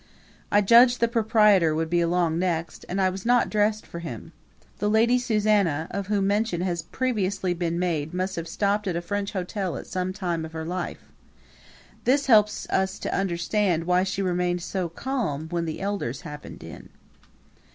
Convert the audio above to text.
I judged the proprietor would be along next, and I was not dressed for him. The Lady Susanna of whom mention has previously been made must have stopped at a French hotel at some time of her life. This helps us to understand why she remained so calm when the elders happened in.